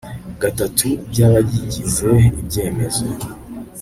gatatu by abayigize Ibyemezo